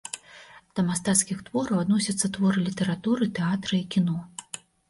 Да мастацкіх твораў адносяцца творы літаратуры, тэатра і кіно.